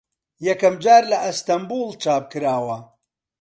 یەکەم جار لە ئەستەمبوڵ چاپ کراوە